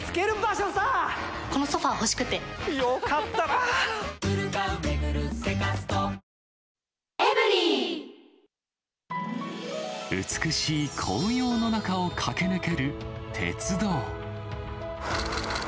ハイ「タコハイ」美しい紅葉の中を駆け抜ける鉄道。